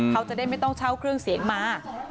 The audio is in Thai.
เขาจะได้ไม่ต้องเช่าเครื่องเสียงมา